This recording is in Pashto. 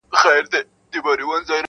• ما مي د خضر په اوبو آیینه ومینځله -